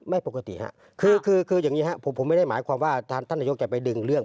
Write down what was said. ไม่ปกติฮะคืออย่างนี้ครับผมไม่ได้หมายความว่าท่านนายกจะไปดึงเรื่อง